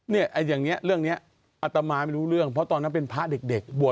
เนี่ยอะอย่างเนี่ยเรื่องแนี้ยอัตมาไม่รู้เรื่องเพราะตอนนั้นเป็นพระเด็ก